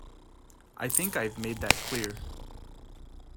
I think I've made that clear.